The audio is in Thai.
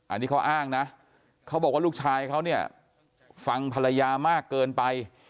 อันนี้เค้าอ้างนะเค้าบอกว่าลูกชายเค้าฟังภรรยามากเกินไป